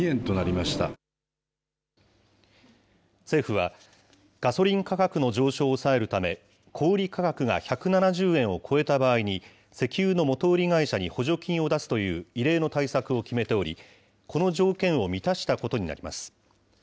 政府は、ガソリン価格の上昇を抑えるため、小売り価格が１７０円を超えた場合に、石油の元売り会社に補助金を出すという異例の対策を決めており、この条件を満たしたことになります。